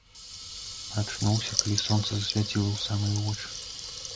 Прачнуўся, калі сонца засвяціла ў самыя вочы.